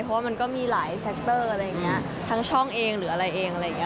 เพราะว่ามันก็มีหลายแท็กเตอร์อะไรอย่างเงี้ยทั้งช่องเองหรืออะไรเองอะไรอย่างเงี้